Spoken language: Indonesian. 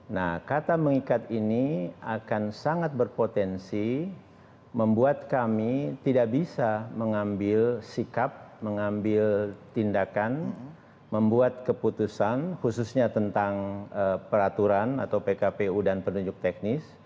nah kata mengikat ini akan sangat berpotensi membuat kami tidak bisa mengambil sikap mengambil tindakan membuat keputusan khususnya tentang peraturan atau pkpu dan penunjuk teknis